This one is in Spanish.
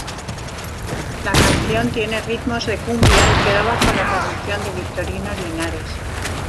La canción tiene ritmos de cumbia y quedó bajo la producción de Victorino Linares.